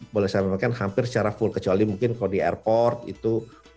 boleh saya sampaikan hampir secara full kecuali mungkin kalau di airport itu